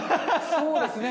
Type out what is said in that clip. そうですね。